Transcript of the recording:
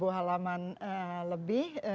seribu halaman lebih